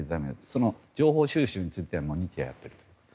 その情報収集については毎日やってる。